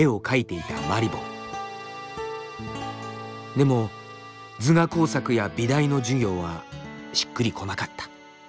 でも図画工作や美大の授業はしっくりこなかった。